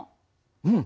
うん。